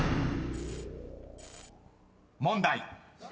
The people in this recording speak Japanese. ［問題。